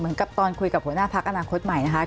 เหมือนกับตอนคุยกับหัวหน้าพักอนาคตใหม่นะคะ